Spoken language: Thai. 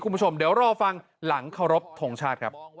คุณผู้ชมเดี๋ยวรอฟังหลังเคารพทงชาติครับ